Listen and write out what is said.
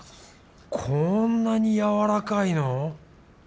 こんなにやわらかいの？